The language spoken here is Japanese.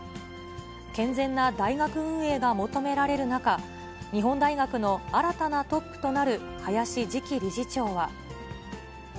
健全な大学運営が求められる中、日本大学の新たなトップとなる林次期理事長は。